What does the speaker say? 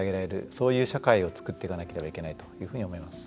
そういう社会を作っていかなければいけないと思います。